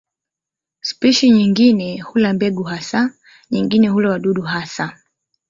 Spishi nyingine hula mbegu hasa, nyingine hula wadudu hasa.